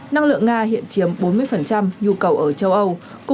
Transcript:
năng lượng nga hiện chiếm bốn mươi nhu cầu ở châu âu